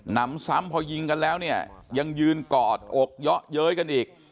นำซ้ำพอยิงกันแล้วเนี่ยยังยืนกอดอกเยาะเย้ยกันอีก